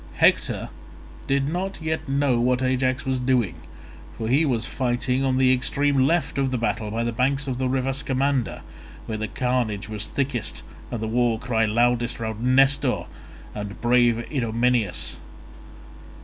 Hector did not yet know what Ajax was doing, for he was fighting on the extreme left of the battle by the banks of the river Scamander, where the carnage was thickest and the war cry loudest round Nestor and brave Idomeneus.